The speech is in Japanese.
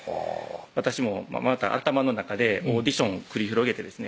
私もまた頭の中でオーディション繰り広げてですね